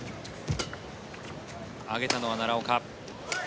上げたのは奈良岡。